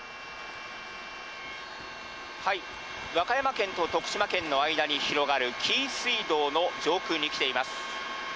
和歌山県と徳島県の間に広がる紀伊水道の上空に来ています。